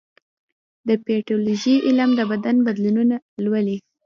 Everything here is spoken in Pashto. د پیتالوژي علم د بدن بدلونونه لولي.